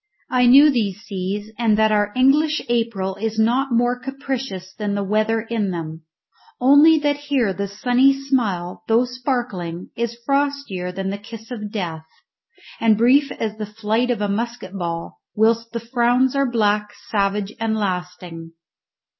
I knew these seas, and that our English April is not more capricious than the weather in them, only that here the sunny smile, though sparkling, is frostier than the kiss of death, and brief as the flight of a musket ball, whilst the frowns are black, savage, and lasting.